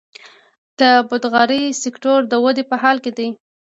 د باغدارۍ سکتور د ودې په حال کې دی.